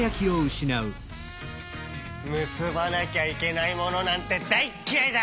むすばなきゃいけないものなんてだいきらいだ！